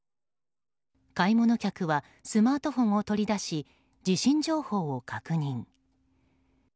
買い物客はスマートフォンを取り出し地震情報を確認。